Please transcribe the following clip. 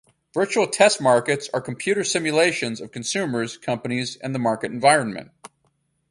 Virtual Test Markets are computer simulations of consumers, companies and the market environment.